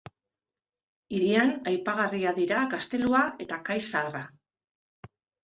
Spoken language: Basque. Hirian aipagarriak dira gaztelua eta kai zaharra.